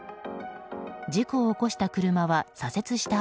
事故を起こした車は左折した